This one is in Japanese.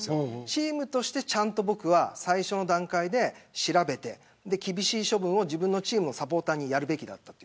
チームとしてちゃんと最初の段階で調べて厳しい処分を自分のチームのサポーターにやるべきだった。